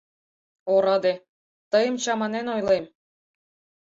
— Ораде, тыйым чаманен ойлем.